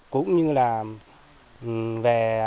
cũng như là về